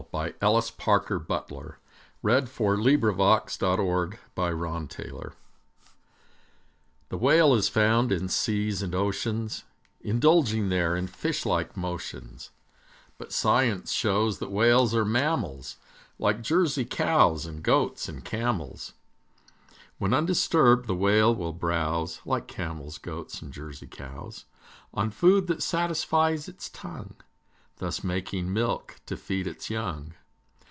JM Embroideries & Collectibles The Whale By Ellis Parker Butler The Whale is found in seas and oceans, Indulging there in fishlike motions, But Science shows that Whales are mammals, Like Jersey cows, and goats, and camels. When undisturbed, the Whale will browse Like camels, goats, and Jersey cows, On food that satisfies its tongue, Thus making milk to feed its young.